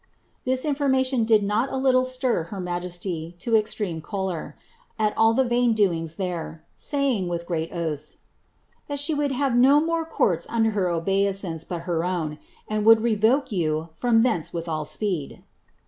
This information did not a little ouyesty to extreme choler, at all the vain doings there, saying, eat oaths, ^ she would have no more courts under her obeisance own, and would revoke you from thence with all speed.''